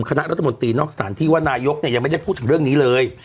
คณะรัฐมนตรีนอกสถานที่ว่านายกยังไม่ได้พูดถึงเรื่องนี้เลย